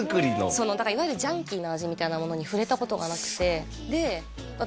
だからいわゆるジャンキーな味みたいなものに触れたことがなくてで私